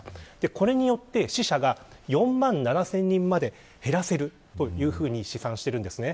これによって死者が４万７０００人まで減らせるというふうに試算しているんですね。